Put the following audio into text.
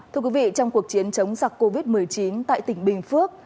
thưa quý vị trong cuộc chiến chống giặc covid một mươi chín tại tỉnh bình phước